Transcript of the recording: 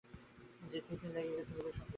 যে খুতনি লেগে গেছে বুকের সঙ্গে।